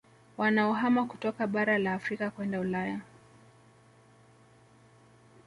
Wanaohama kutoka Bara la Afrika kwenda Ulaya